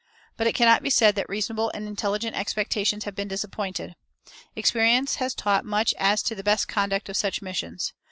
But it cannot be said that reasonable and intelligent expectations have been disappointed. Experience has taught much as to the best conduct of such missions.